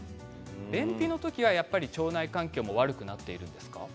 便秘の時は腸内環境も悪くなってるんですか。